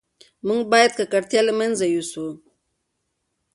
موږ باید ککړتیا له منځه یوسو.